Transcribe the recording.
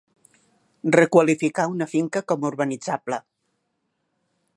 Requalificar una finca com a urbanitzable.